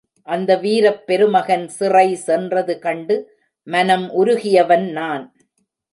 அந்த வீரப் பெருமகன் சிறை சென்றது கண்டு மனம் உருகியவன் நான்.